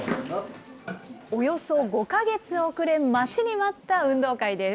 およそ５か月遅れ、待ちに待った運動会です。